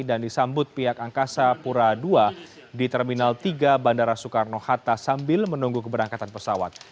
dan disambut pihak angkasa pura ii di terminal tiga bandara soekarno hatta sambil menunggu keberangkatan pesawat